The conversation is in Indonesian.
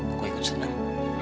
aku ikut senang